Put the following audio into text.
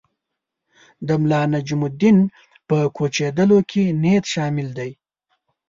د ملانجم الدین په کوچېدلو کې نیت شامل دی.